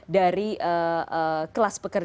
dari kelas pekerja